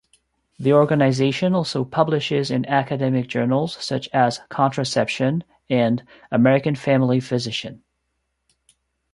The organization also publishes in academic journals such as "Contraception" and "American Family Physician".